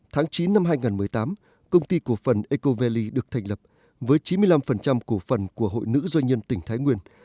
tháng chín năm hai nghìn một mươi tám công ty của phần ecovalley được thành lập với chín mươi năm của phần của hội nữ doanh nhân tỉnh thái nguyên